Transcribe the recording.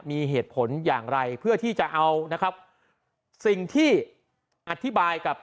มีเหตุผลอย่างไรเพื่อที่จะเอานะครับสิ่งที่อธิบายกับ